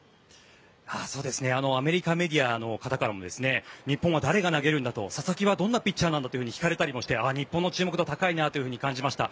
アメリカメディアの方からも日本は誰が投げるんだと佐々木はどんなピッチャーなんだと聞かれたりもして日本の注目度高いなと感じました。